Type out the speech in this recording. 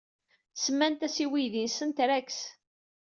Semmant-as i weydi-nsent Rex.